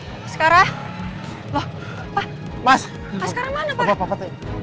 mas sekarang mana pak